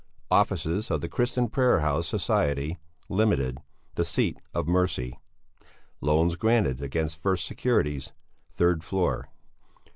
Offices of the Christian Prayer House Society, Ltd., The Seat of Mercy. Loans granted against first securities, third floor.